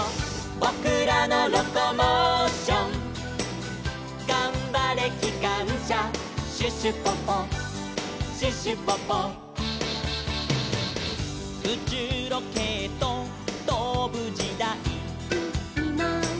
「ぼくらのロコモーション」「がんばれきかんしゃ」「シュシュポポシュシュポポ」「うちゅうロケットとぶじだい」